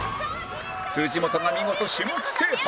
本が見事種目制覇